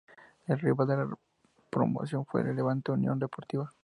El rival en la promoción fue el Levante Unión Deportiva.